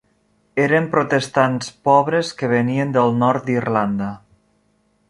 Eren protestants pobres que venien del nord d'Irlanda.